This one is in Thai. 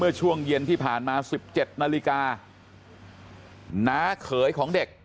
ช่วงเย็นที่ผ่านมา๑๗นาฬิกาน้าเขยของเด็ก